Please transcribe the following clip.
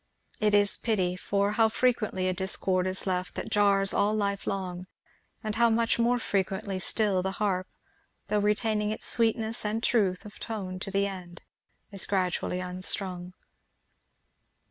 It is pity, for how frequently a discord is left that jars all life long; and how much more frequently still the harp, though retaining its sweetness and truth of tone to the end, is gradually unstrung.